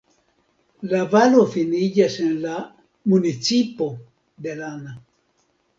La valo finiĝas en la "municipo" de Lana.